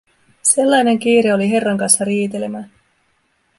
Sellainen kiire oli herran kanssa riitelemään.